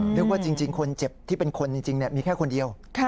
นึกว่าจริงคนเจ็บที่เป็นคนจริงมีแค่คนเดียว